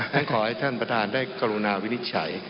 ขอให้ท่านประธานได้กรุณาวินิจฉัย